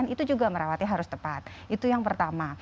itu juga merawatnya harus tepat itu yang pertama